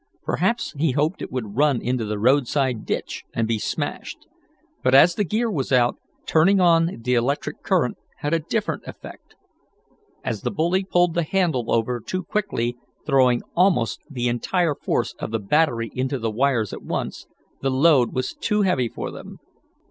Perhaps he hoped it would run into the roadside ditch and be smashed. But as the gear was out, turning on the electric current had a different effect. As the bully pulled the handle over too quickly, throwing almost the entire force of the battery into the wires at once, the load was too heavy for them.